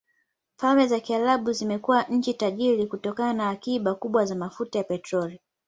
Falme za Kiarabu zimekuwa nchi tajiri kutokana na akiba kubwa za mafuta ya petroli.